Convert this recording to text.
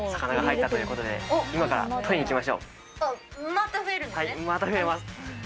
また増えます！